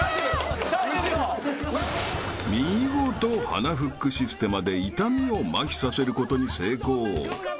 ［見事鼻フックシステマで痛みをまひさせることに成功］